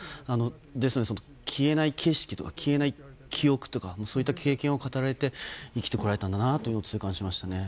ですので、消えない景色とか消えない記憶とかそういった経験を語られて生きてこられたんだなと痛感しましたね。